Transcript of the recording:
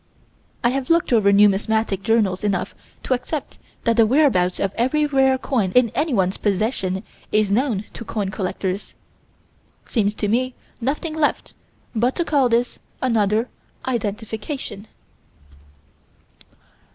I have looked over numismatic journals enough to accept that the whereabouts of every rare coin in anyone's possession is known to coin collectors. Seems to me nothing left but to call this another "identification."